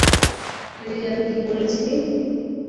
তুই যেন কী বলেছিলি?